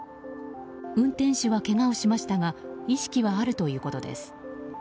運転手はけがをしましたが意識はあるということです。